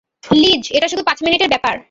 Lease, এটা শুধু পাঁচ মিনিটের ব্যাপার।